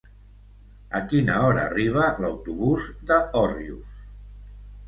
A quina hora arriba l'autobús de Òrrius?